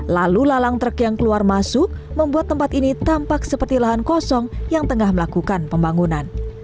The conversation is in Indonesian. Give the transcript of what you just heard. lalu lalang truk yang keluar masuk membuat tempat ini tampak seperti lahan kosong yang tengah melakukan pembangunan